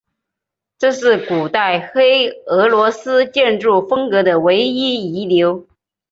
这是古代黑俄罗斯建筑风格的唯一遗留。